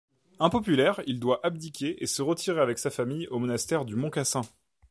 Impopulaire, il doit abdiquer et se retirer avec sa famille au monastère du Mont-Cassin.